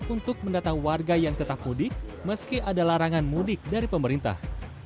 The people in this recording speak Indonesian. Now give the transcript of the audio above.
untuk mendatang warga yang tetap mudik meski ada larangan mudik dari pemerintah